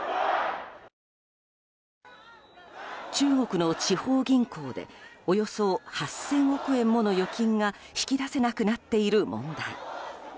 中国の地方銀行でおよそ８０００億円もの預金が引き出せなくなっている問題。